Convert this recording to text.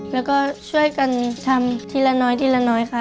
แล้วก็ช่วยกันทำทีละน้อยทีละน้อยค่ะ